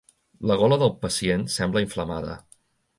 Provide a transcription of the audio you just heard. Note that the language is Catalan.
La gola del pacient sembla inflamada.